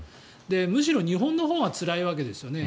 むしろ日本のほうがつらいわけですよね。